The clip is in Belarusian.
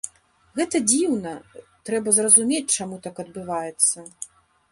Гэта дзіўна, трэба зразумець, чаму так адбываецца.